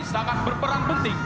sedangkan berperan penting